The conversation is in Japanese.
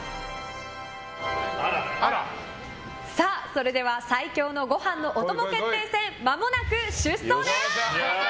それでは最強のご飯のお供決定戦まもなく出走です。